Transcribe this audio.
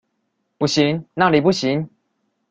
不行，那裡不行